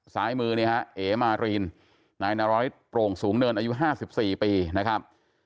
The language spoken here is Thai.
ซ้ายมือเนี่ยฮะเอ๋มารีนนายนารริสโปร่งสูงเนินอายุ๕๔ปีนะครับ